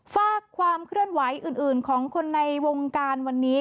ฝากความเคลื่อนไหวอื่นของคนในวงการวันนี้